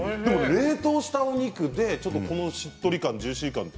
冷凍したお肉でこのしっとり感、ジューシー感。